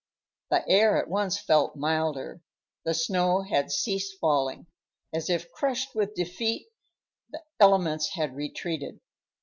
The air at once felt milder; the snow had ceased falling; as if crushed with defeat, the elements had retreated.